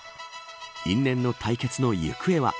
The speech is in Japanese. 因縁の対決の行方は。